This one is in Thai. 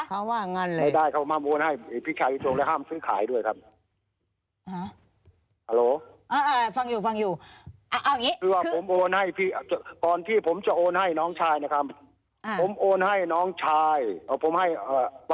เขาว่างั้นเลยไม่ได้เขามาโอนให้พี่ชัยทรงและห้ามซื้อขายด้วยครับ